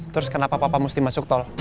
terus kenapa papa mesti masuk tol